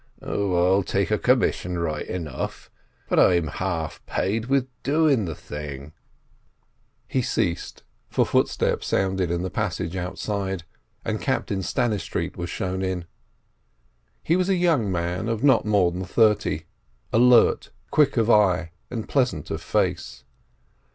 Oh, I'll take a commission right enough, but I'm half paid with doing the thing—" He ceased, for footsteps sounded in the passage outside, and Captain Stannistreet was shown in. He was a young man of not more than thirty, alert, quick of eye, and pleasant of face.